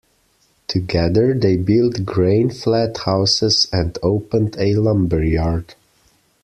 Together, they built grain flat houses and opened a lumberyard.